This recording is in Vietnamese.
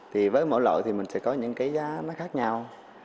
thì với mỗi loại thì mình sẽ có những cái giá nó khác nhau